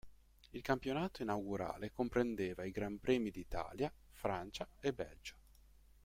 Il Campionato inaugurale comprendeva i Gran Premi di Italia, Francia e Belgio.